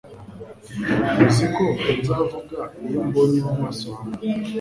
Uzi ko nzavuga Iyo mbonye mu maso hawe